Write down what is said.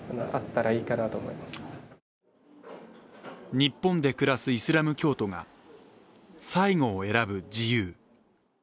日本で暮らすイスラム教徒が最期を選ぶ自由。